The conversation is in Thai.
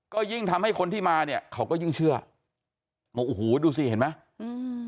ก็ยิ่งทำให้คนที่มาเนี่ยเขาก็ยิ่งเชื่อโอ้โหดูสิเห็นไหมอืม